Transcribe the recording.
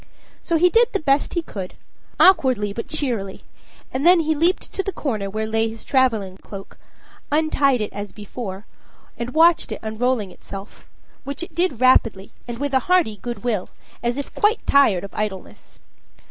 So he did the best he could, awkwardly but cheerily, and then he leaped to the corner where lay his traveling cloak, untied it as before, and watched it unrolling itself which it did rapidly, with a hearty good will, as if quite tired of idleness.